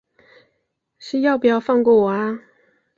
是要不要放过我啊